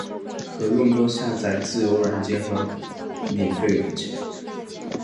可用作下载自由软件及免费软件。